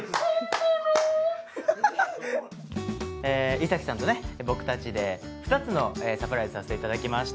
衣咲さんとね僕たちで２つのサプライズさせて頂きました。